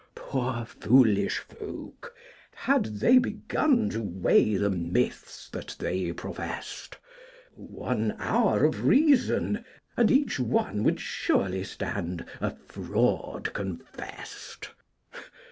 Poor foolish folk! Had they begun To weigh the myths that they professed, One hour of reason and each one Would surely stand a fraud confessed.